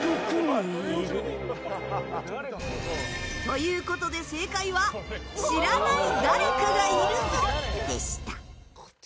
ということで正解は「知らない誰かがいるゾ」でした。